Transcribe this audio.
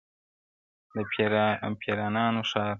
د پېریانانو ښار -